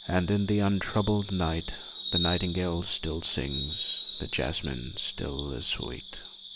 And in the untroubled night The nightingale still sings, the jasmine still is sweet.